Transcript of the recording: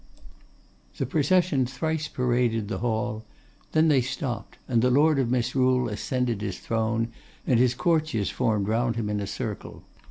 The procession thrice paraded the hall. Then they stopped; and the Lord of Misrule ascended his throne, and his courtiers formed round him in circle.